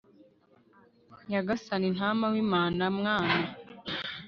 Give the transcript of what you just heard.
nyagasani, ntama w'imana mwana